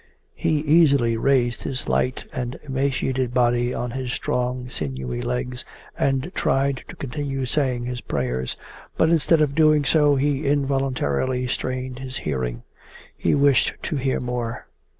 He easily raised his light and emaciated body on his strong sinewy legs and tried to continue saying his prayers, but instead of doing so he involuntarily strained his hearing. He wished to hear more.